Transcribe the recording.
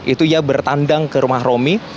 itu ia bertandang ke rumah romi